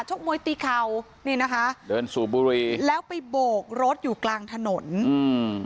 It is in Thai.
กมวยตีเข่านี่นะคะเดินสูบบุรีแล้วไปโบกรถอยู่กลางถนนอืม